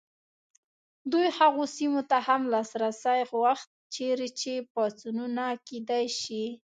دوی هغو سیمو ته هم لاسرسی غوښت چیرې چې پاڅونونه کېدای شي.